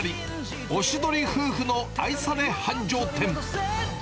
おしどり夫婦の愛され繁盛店。